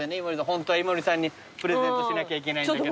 ホントは井森さんにプレゼントしなきゃいけないんだけど。